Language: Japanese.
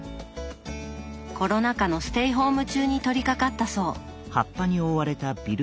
コロナ禍のステイホーム中に取りかかったそう。